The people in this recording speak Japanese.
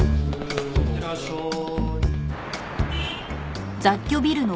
いってらっしゃーい。